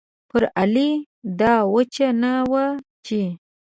پر علي دا وچه نه وه چې